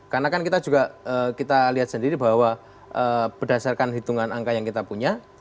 karena kan kita juga lihat sendiri bahwa berdasarkan hitungan angka yang kita punya